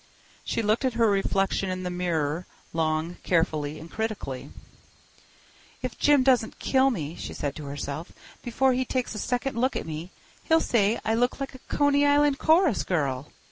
She looked at her reflection in the mirror long, carefully, and critically. "If Jim doesn't kill me," she said to herself, "before he takes a second look at me, he'll say I look like a Coney Island chorus girl.